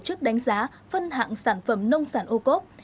tổ chức đánh giá phân hạng sản phẩm nông sản âu cốc